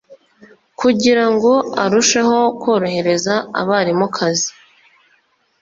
Kugira ngo arusheho korohereza abarimu akazi